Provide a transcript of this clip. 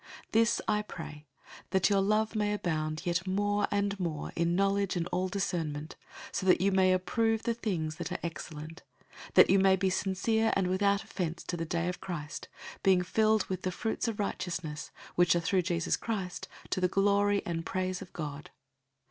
001:009 This I pray, that your love may abound yet more and more in knowledge and all discernment; 001:010 so that you may approve the things that are excellent; that you may be sincere and without offense to the day of Christ; 001:011 being filled with the fruits of righteousness, which are through Jesus Christ, to the glory and praise of God.